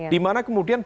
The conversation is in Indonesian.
di mana kemudian